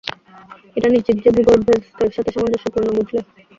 এটা নিশ্চিত যে ভূগর্ভস্থের সাথে সামঞ্জস্যপূর্ণ, বুঝলে?